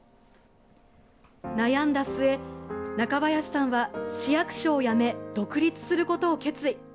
悩んだ末、中林さんは市役所を辞め独立することを決意。